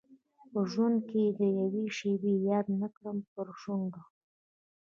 په ژوند کي دي یوه شېبه یاد نه کړمه پر شونډو